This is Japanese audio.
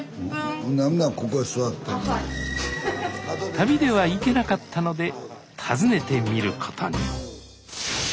旅では行けなかったので訪ねてみることに。